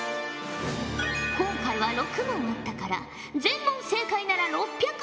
今回は６問あったから全問正解なら６００